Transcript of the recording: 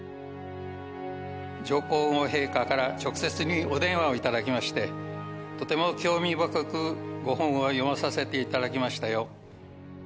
上皇后陛下から直接にお電話を頂きまして、とても興味深くご本を読まさせていただきましたよ。